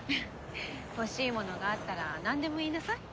欲しいものがあったらなんでも言いなさい。